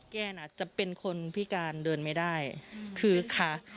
แก้น่ะจะเป็นคนพิการเดินไม่ได้คือค่ะ